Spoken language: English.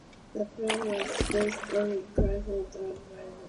The play was based on the writing of Craig Russell and Margaret Gibson.